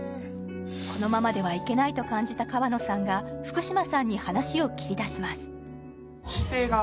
このままではいけないと感じた河野さんが福嶌さんに話を切り出します